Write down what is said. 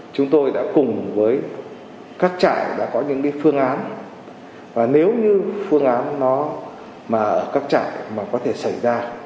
chúng tôi đã cùng với các trại đã có những phương án và nếu như phương án ở các trại có thể xảy ra